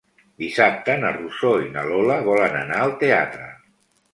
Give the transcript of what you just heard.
Dissabte na Rosó i na Lola volen anar al teatre.